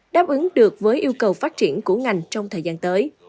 đáp ứng được với yêu cầu phát triển của ngành trong thời gian tới